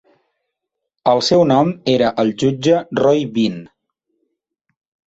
El seu nom era el jutge Roy Bean.